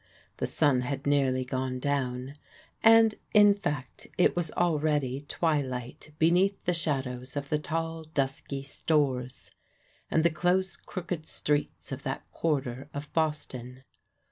The sun had nearly gone down, and, in fact, it was already twilight beneath the shadows of the tall, dusky stores, and the close, crooked streets of that quarter of Boston.